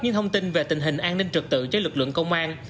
những thông tin về tình hình an ninh trực tự cho lực lượng công an